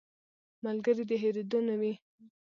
ملګری د هېرېدو نه وي